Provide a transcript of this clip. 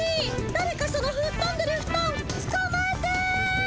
だれかそのふっとんでるフトンつかまえて！